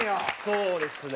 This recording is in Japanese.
そうですね。